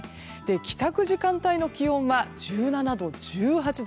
帰宅時間帯の気温は１７度、１８度。